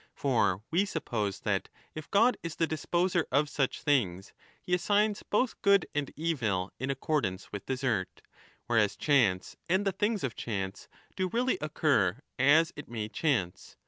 For we suppose that, if God is the disposer of such things, he assigns both good and evil in accordance with desert, whereas chance and the things of chance do really occur as it may chance.